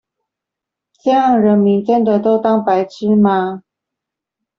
這樣人民真的都當白痴嗎？